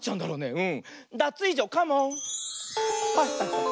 うん。